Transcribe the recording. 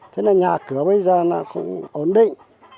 thế là nhà cửa bây giờ nó cũng ổn định